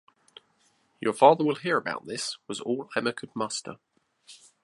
"Your father will hear about this," was all Emma could muster